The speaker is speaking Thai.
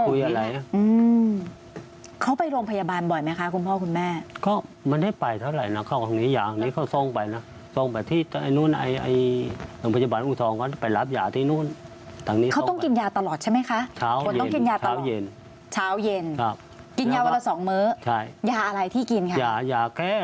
อื้มเขาไปโรงพยาบาลบ่อยไหมคะคุณพ่อคุณแม่ก็มันได้ไปเท่าไหร่น่ะเขาเอาทางนี้ยาทางนี้เขาทรงไปน่ะทรงไปที่ตรงไหนนู่นไอ้ไอ้โรงพยาบาลอุทธองก็ได้ไปรับยาที่นู่นทางนี้เขาต้องกินยาตลอดใช่ไหมคะต้องกินยาตลอดเช้าเย็นเช้าเย็นครับกินยาวันละสองมื้อใช่ยาอะไรที่กินค